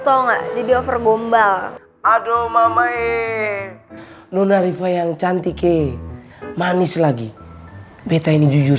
mau nggak jadi over gombal aduh mama e nona riva yang cantik kek manis lagi beta ini jujur